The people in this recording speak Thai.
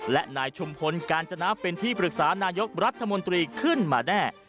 และนายชุมพลกาญจนาเป็นที่ปรึกษานายกรัฐมนตรีขึ้นมาแน่